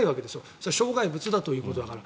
それは障害物だということだから。